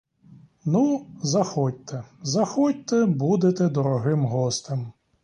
Ну, заходьте, заходьте, будете дорогим гостем.